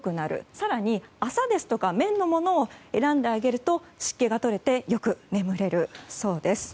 更に麻や綿のものを選んでいただくと湿気が取れてよく眠れるそうです。